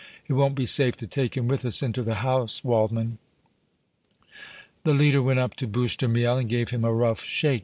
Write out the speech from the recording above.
It won't be safe to take him with us into the house, Waldmann!" The leader went up to Bouche de Miel and gave him a rough shake.